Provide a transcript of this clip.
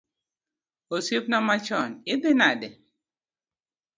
Osiepna machon, idhi nade?